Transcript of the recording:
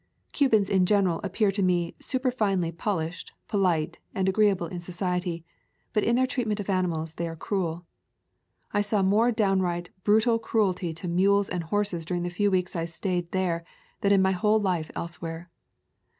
Cubans in general ap pear to me superfinely polished, polite, and agreeable in society, but in their treatment of animals they are cruel. I saw more downright brutal cruelty to mules and horses during the few weeks I stayed there than in my whole life elsewhere.